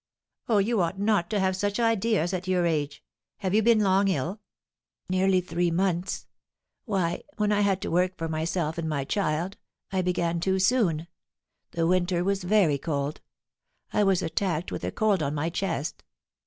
"Oh, you ought not to have such ideas at your age. Have you been long ill?" "Nearly three months. Why, when I had to work for myself and my child, I began too soon. The winter was very cold; I was attacked with a cold on my chest.